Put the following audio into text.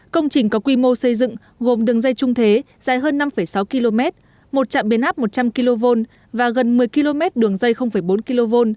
công trình có quy mô xây dựng gồm đường dây trung thế dài hơn năm sáu km một trạm biến áp một trăm linh kv và gần một mươi km đường dây bốn kv